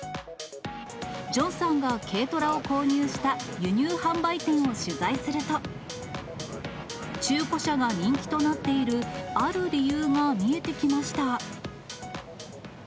ジョンさんが軽トラを購入した輸入販売店を取材すると、中古車が人気となっているある理由が見えてきました。